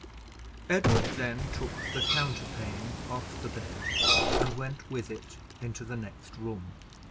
Edward then took the counterpane off the bed, and went with it into the next room.